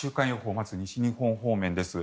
まず西日本方面です。